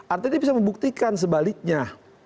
artinya bisa membuktikan sebaliknya